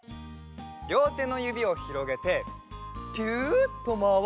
りょうてのゆびをひろげてピュッとまわすよ。